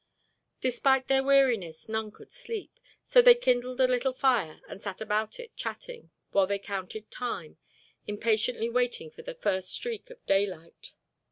Despite their weariness none could sleep, so they kindled a little fire and sat about it chatting while they counted time, impatiently waiting for the first streak of daylight.